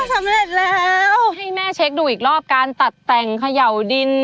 ให้แม่เช็คหนูอีกรอบการตัดแต่งไข่เยาวดิน